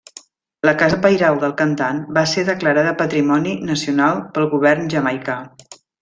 La casa pairal del cantant va ser declarada patrimoni nacional pel govern jamaicà.